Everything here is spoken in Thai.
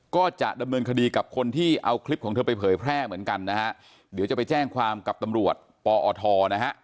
ก็จะดำเนินคดีกับคนที่เอาคลิปของเธอไปเผยแพร่เหมือนกันนะฮะเดี๋ยวจะไปแจ้งความกับตำรวจปอทนะฮะ